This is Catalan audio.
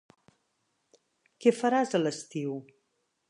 Què faràs a l'estiu?